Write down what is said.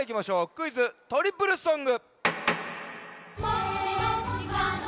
クイズ・トリプルソング！